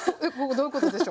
どういうことでしょう？